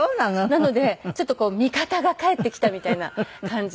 なのでちょっとこう味方が帰ってきたみたいな感じで。